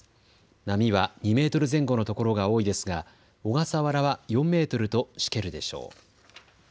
波は２メートル前後のところが多いですが小笠原は４メートルとしけるでしょう。